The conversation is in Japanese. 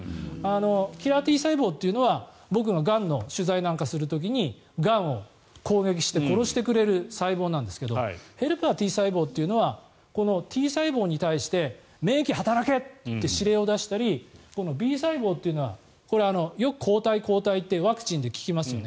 キラーＴ細胞というのは僕ががんの取材なんかをする時にがんを攻撃して殺してくれる細胞なんですけどヘルパーＴ細胞というのはＴ細胞に対して免疫働けって指令を出したりＢ細胞というのはよく抗体、抗体ってワクチンで聞きますよね。